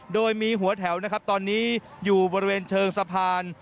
โดยมีหัวแถวนะครับตอนนี้อยู่บริเวณเชิงสะพาน